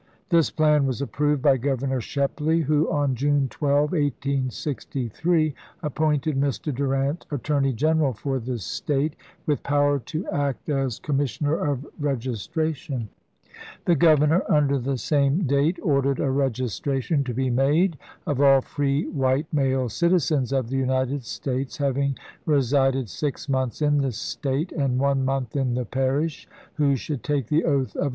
This plan was approved by Grovernor Shepley, who, on June 12, 1863, appointed Mr. Durant attorney general for the State, with power to act as com 420 ABRAHAil LINCOLN ch. XVII. missioner of registration. The Grovernor, under the same date, ordered a registration to be made of all free white male citizens of the United States having resided six months in the State and one month in the parish, who should take the oath of orS!